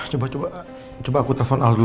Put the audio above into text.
coba coba aku telepon al dulu ya